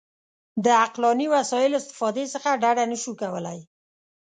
د عقلاني وسایلو استفادې څخه ډډه نه شو کولای.